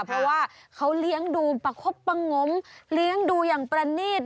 เพราะว่าเขาเลี้ยงดูประคบประงมเลี้ยงดูอย่างประนีต